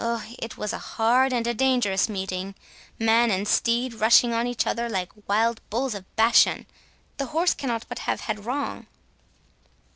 O, it was a hard and a dangerous meeting! man and steed rushing on each other like wild bulls of Bashan! The horse cannot but have had wrong."